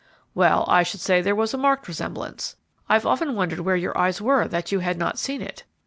"Well, I should say there was a marked resemblance. I've often wondered where your eyes were that you had not seen it."